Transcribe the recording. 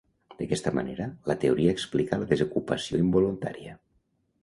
D'aquesta manera, la teoria explica la desocupació involuntària.